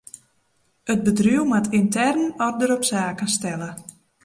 It bedriuw moat yntern oarder op saken stelle.